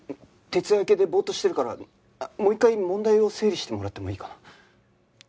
徹夜明けでボーッとしてるからもう一回問題を整理してもらってもいいかな？